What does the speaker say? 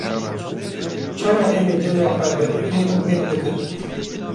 Çawa em ê dema xwe bi rêkûpêk bikin?